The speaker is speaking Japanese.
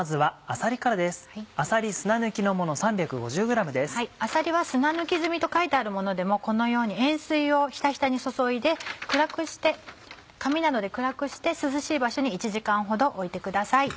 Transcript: あさりは砂抜き済みと書いてあるものでもこのように塩水をひたひたに注いで紙などで暗くして涼しい場所に１時間ほど置いてください。